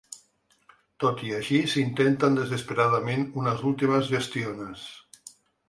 Tot i així s'intenten desesperadament unes últimes gestiones.